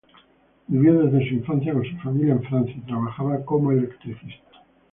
Vivió desde su infancia con su familia en Francia y trabajaba como electricista.